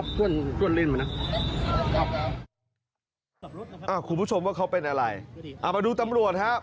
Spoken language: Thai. ไม่โหลดทิศตัวเลยนะครับอ่าคุณผู้ชมว่าเขาเป็นอะไรเอามาดูตำรวจครับ